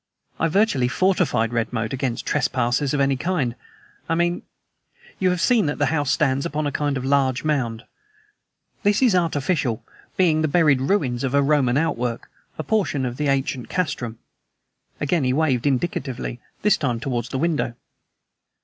"I virtually fortified Redmoat against trespassers of any kind, I mean. You have seen that the house stands upon a kind of large mound. This is artificial, being the buried ruins of a Roman outwork; a portion of the ancient castrum." Again he waved indicatively, this time toward the window.